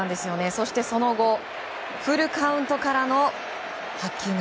そして、その後フルカウントからの８球目。